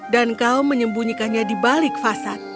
dan kau menyembunyikannya di balik fasad